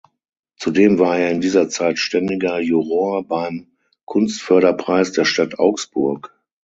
Zudem war er in dieser Zeit ständiger Juror beim Kunstförderpreis der Stadt Augsburg.